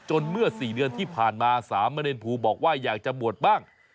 เมื่อ๔เดือนที่ผ่านมาสามเณรภูบอกว่าอยากจะบวชบ้าง